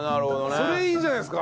それいいじゃないですか。